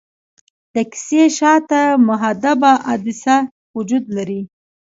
د کسي شاته محدبه عدسیه وجود لري.